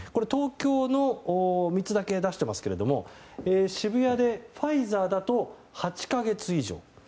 東京の３つだけ出していますが渋谷でファイザーだと８か月以上。